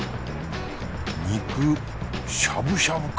肉しゃぶしゃぶか。